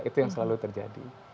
itu yang selalu terjadi